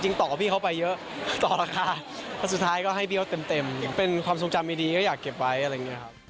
จริงต่อพี่เขาไปเยอะต่อราคาแล้วสุดท้ายก็ให้พี่เขาเต็มอย่างเป็นความทรงจำไม่ดีก็อยากเก็บไว้อะไรอย่างเงี้ยครับ